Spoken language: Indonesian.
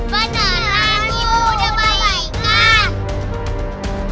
beneran ibu udah baik kan